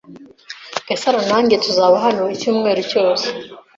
Gasaro nanjye tuzaba hano icyumweru cyose.